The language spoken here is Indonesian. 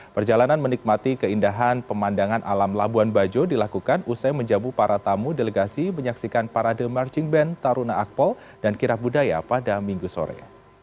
perjalanan menikmati keindahan pemandangan alam labuan bajo dilakukan usai menjamu para tamu delegasi menyaksikan parade marching band taruna akpol dan kira budaya pada minggu sore